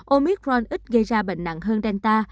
omicron ít gây ra bệnh nặng hơn delta